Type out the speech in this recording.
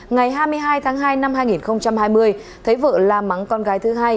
ngày hai mươi hai tháng hai năm hai nghìn hai mươi thấy vợ la mắng con gái thứ hai